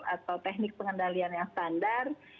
atau teknik pengendalian yang standar